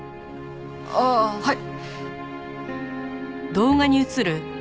ああはい！